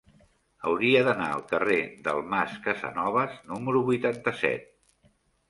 Hauria d'anar al carrer del Mas Casanovas número vuitanta-set.